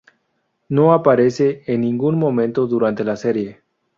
No aparece en ningún momento durante la serie.